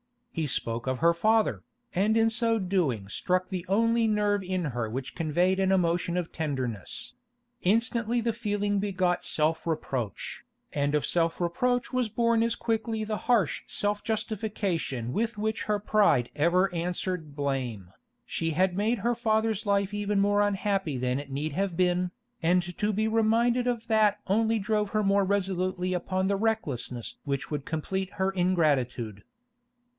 He spoke of her father, and in so doing struck the only nerve in her which conveyed an emotion of tenderness; instantly the feeling begot self reproach, and of self reproach was born as quickly the harsh self justification with which her pride ever answered blame. She had made her father's life even more unhappy than it need have been, and to be reminded of that only drove her more resolutely upon the recklessness which would complete her ingratitude.